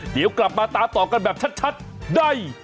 เดี๋ยวกลับมาตามต่อกันแบบชัดได้